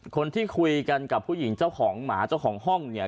คนที่คุยกันกับผู้หญิงเจ้าของหมาเจ้าของห้องเนี่ย